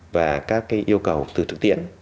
và các cái yêu cầu từ thực tiễn